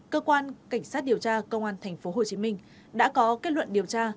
cơ quan cảnh sát điều tra công an tp hcm đã có kết luận điều tra